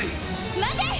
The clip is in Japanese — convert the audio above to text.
待て！